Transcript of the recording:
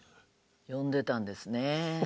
呼んでたんですね。